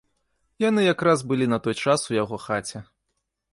Яны якраз былі на той час у яго хаце.